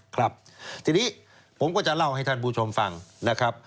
ครับทีนี้ผมก็จะเล่าให้ท่านผู้ชมฟังนะครับ